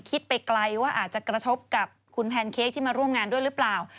ไปไกลว่าอาจจะกระทบกับคุณแพนเค้กที่มาร่วมงานด้วยหรือเปล่า